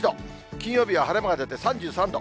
金曜日は晴れ間が出て３３度。